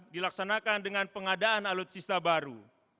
dilaksanakan dengan pengadaan alutsista baru